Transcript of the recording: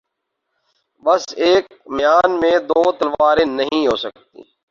بس ایک میان میں دو تلواریں نہیں ہوسکتیں